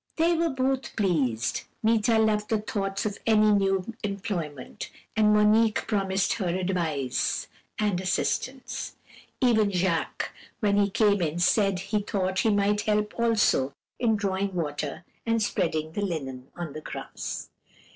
"They were both pleased; Meeta loved the thoughts of any new employment, and Monique promised her advice and assistance. Even Jacques, when he came in, said he thought he might help also in drawing water and spreading the linen on the grass.